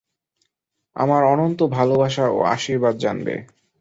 আমার অনন্ত ভালবাসা ও আশীর্বাদ জানবে।